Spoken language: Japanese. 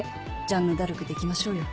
ジャンヌ・ダルクで行きましょうよ。